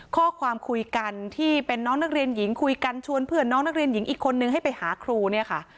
ข้อความคุยกันที่เป็นน้องนักเรียนหญิงคุยกันชวนเพื่อนน้องนักเรียนหญิงอีกคนนึงให้ไปหาครูเนี่ยค่ะ